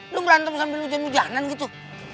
belum berantem sambil hujan hujanan gitu